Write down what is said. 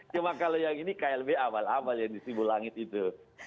cuma kalau yang ini klb amal amal yang di sibu langit itu